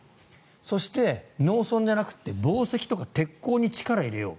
そして、農村じゃなくて紡績とか鉄鋼に力を入れよう